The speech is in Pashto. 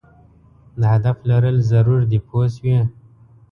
د هدف لرل ضرور دي پوه شوې!.